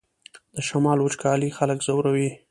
د شمال وچکالي خلک ځوروي